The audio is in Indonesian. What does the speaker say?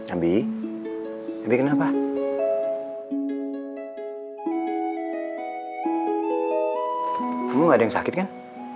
abi abi kenapa kamu gak ada yang sakit kan